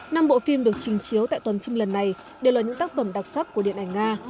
năm bộ phim được trình chiếu tại tuần phim lần này đều là những tác phẩm đặc sắc của điện ảnh nga